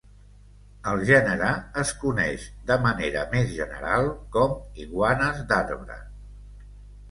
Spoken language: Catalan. El gènere es coneix, de manera més general, com "iguanes d'arbre".